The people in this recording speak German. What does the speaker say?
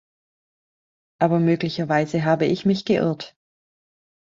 Aber möglicherweise habe ich mich geirrt.